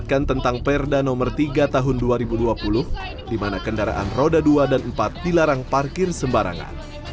kedaraan roda dua dan empat dilarang parkir sembarangan